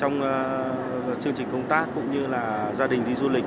trong chương trình công tác cũng như là gia đình đi du lịch